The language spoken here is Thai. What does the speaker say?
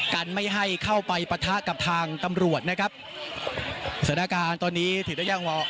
กันไม่ให้เข้าไปปะทะกับทางตำรวจนะครับสถานการณ์ตอนนี้ถือได้ยังว่า